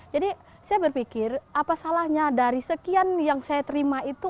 jadi saya berpikir apa salahnya dari sekian yang saya terima itu